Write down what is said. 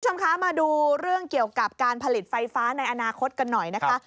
คุณผู้ชมคะมาดูเรื่องเกี่ยวกับการผลิตไฟฟ้าในอนาคตกันหน่อยนะคะ